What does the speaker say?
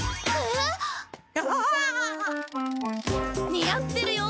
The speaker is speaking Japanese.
似合ってるよ。